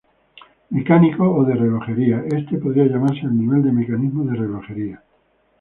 Mecánico o de relojería: Este podría llamarse el nivel de mecanismos de relojería.